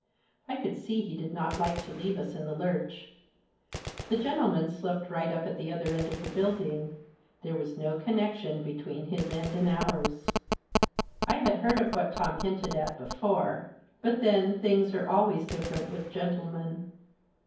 I could see he did not like to leave us in the lurch. The gentlemen slept right up at the other end of the building ; there was no connection between his end and ours. I had heard of what Tom hinted at before ; but then things are always different with gentlemen.